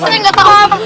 saya gak tahu apa